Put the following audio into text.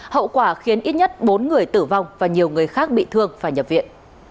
hậu quả khiến ít nhất bốn người tử vong và nhiều người khác bị thương phải nhập viện